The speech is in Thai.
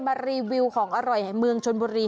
รีวิวของอร่อยแห่งเมืองชนบุรี